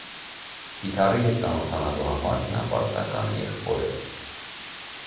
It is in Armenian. Կիթառի հետ ծանոթանալու համար նա պարտական է եղբորը։